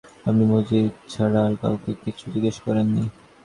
আপনি মজিদ ছাড়া আর কাউকে কিছু জিজ্ঞেস করেন নি?